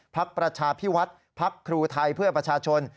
พักประชาพิวัฒน์พักครูไทยเพื่อประชาชน